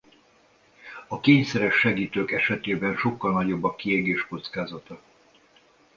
A kényszeres segítők esetében sokkal nagyobb a kiégés kockázata.